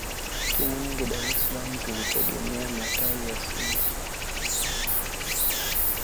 Timu nyingi Dar es salaam zilitegemea matawi ya Simba